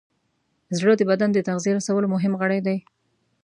زړه د بدن د تغذیې رسولو مهم غړی دی.